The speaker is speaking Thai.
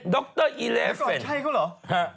ดรอิเลเฟนใช่เขาเหรอดรอิเลเฟน